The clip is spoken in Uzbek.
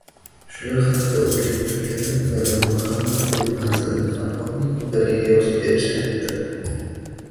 Shular haqida o`ylab turgandim, Dilrabo hamma uy manzilini Farhodning kundaligiga yozib berishini aytdi